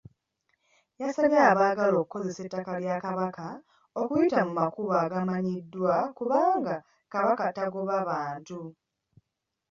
Yasabye abaagala okukozesa ettaka lya Kabaka okuyita mu makubo agamanyiddwa kubanga Kabaka tagoba bantu.